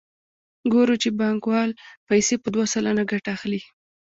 ګورو چې بانکوال پیسې په دوه سلنه ګټه اخلي